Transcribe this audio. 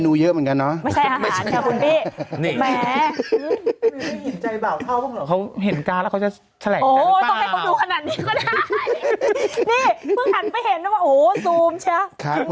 พูดถัดไปเห็นว่าโหซูมใช่บอลแมนต์ครับผม